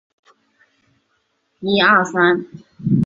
哈定为位在美国堪萨斯州波旁县的非建制地区。